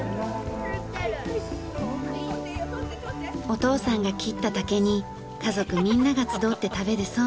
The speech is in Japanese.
お父さんが切った竹に家族みんなが集って食べるそうめん。